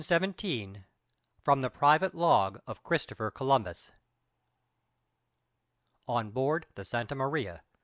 XVII FROM THE PRIVATE LOG OF CHRISTOPHER COLUMBUS On Board the Santa Maria.